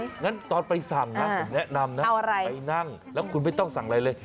งั้นตอนไปสั่งนะผมแนะนำนะไปนั่งแล้วคุณไม่ต้องสั่งอะไรเลย